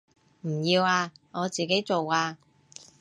唔要啊，我自己做啊